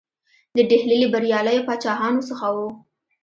د ډهلي له بریالیو پاچاهانو څخه وو.